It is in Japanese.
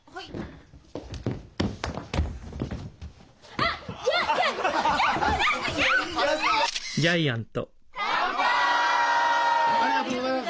ありがとうございます！